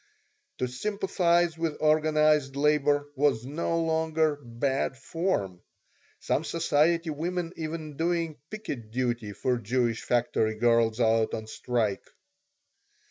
To sympathize with organized labor was no longer "bad form," some society women even doing picket duty for Jewish factory girls out on strike.